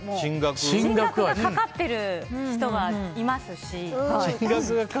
進学がかかってる人がいますし。